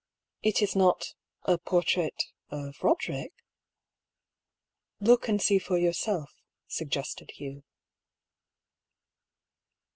"It is not — a portrait — of Eode rick ?"" Look and see for yourself," suggested Hugh.